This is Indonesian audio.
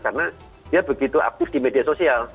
karena dia begitu aktif di media sosial